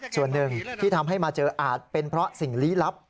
ส่วนหนึ่งที่ทำให้มาเจออาจเป็นเพราะสิ่งลี้ลับ